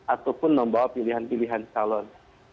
ataupun membawa pilihan pilihan calon